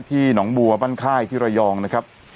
ที่หนองบัวบ้านไข้ที่รายองนะครับ